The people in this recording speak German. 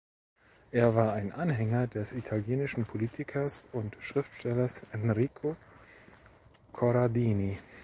Er war ein Anhänger des italienischen Politikers und Schriftstellers Enrico Corradini.